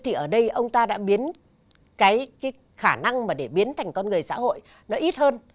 thì ở đây ông ta đã biến cái khả năng mà để biến thành con người xã hội nó ít hơn